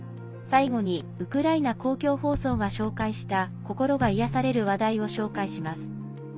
最後にウクライナ公共放送が紹介した心が癒やされる話題を紹介します。